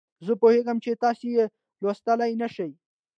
زه پوهیږم چې تاسې یې لوستلای نه شئ.